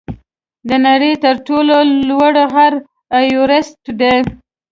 د نړۍ تر ټولو لوړ غر ایورسټ دی.